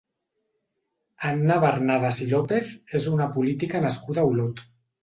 Anna Barnadas i López és una política nascuda a Olot.